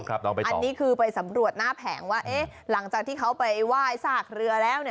อันนี้คือไปสำรวจหน้าแผงว่าหลังจากที่เขาไปไหว้ซากเรือแล้ว